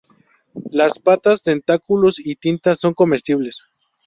Las patas, tentáculos y tinta son comestibles.